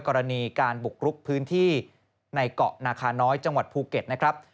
กรณีการบุกรุกพื้นที่ในเกาะนาคาน้อยจังหวัดภูเก็ตนะครับ